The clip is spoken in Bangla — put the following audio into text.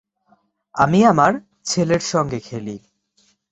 আমি আমার ছেলের সঙ্গে খেলি।